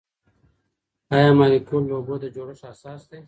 آیا مالیکول د اوبو د جوړښت اساس دی؟